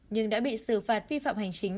nhưng đã bị xử phạt vi phạm hành chính